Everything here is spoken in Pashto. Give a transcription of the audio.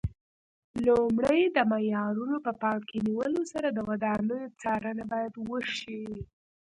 لومړی د معیارونو په پام کې نیولو سره د ودانیو څارنه باید وشي.